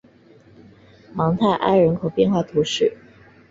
芒泰埃人口变化图示